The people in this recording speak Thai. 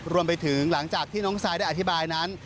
รวมไปถึงหลังจากที่น้องไซด์ได้อธิบายนั้น